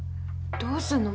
どうするの？